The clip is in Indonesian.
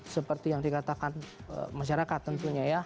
seperti yang dikatakan masyarakat tentunya ya